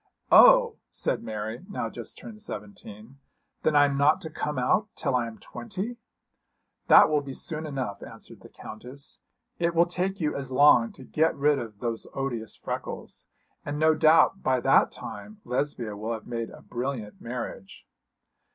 'Oh!' said Mary, now just turned seventeen, 'then I am not to come out till I am twenty.' 'That will be soon enough,' answered the Countess. 'It will take you as long to get rid of those odious freckles. And no doubt by that time Lesbia will have made a brilliant marriage.'